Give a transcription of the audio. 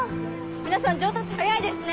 皆さん上達早いですね。